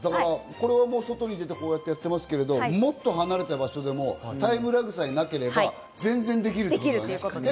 外に出て、こうやっていますけれども、もっと離れた場所でもタイムラグさえなければできるということだね。